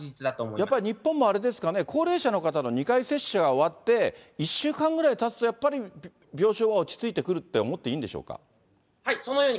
やっぱり日本もあれですかね、高齢者の方の２回接種が終わって、１週間ぐらいたつと、やっぱり病床は落ち着いてくるって思っていいんでしょうか。